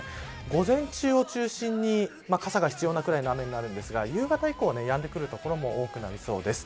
午前中を中心に傘が必要なぐらいの雨になるんですが夕方以降は、やんでくる所も多くなりそうです。